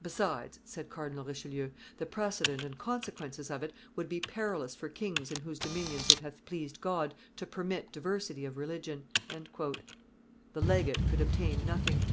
"Besides," said Cardinal Richelieu, "the precedent and consequences of it would be perilous for kings in whose dominions it hath pleased God to permit diversity of religion." The legate could obtain nothing.